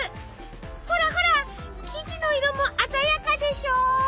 ほらほら生地の色も鮮やかでしょ。